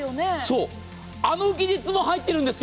あの技術も入っているんですよ。